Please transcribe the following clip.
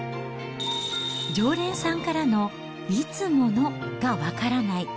常連さんからのいつものが分からない。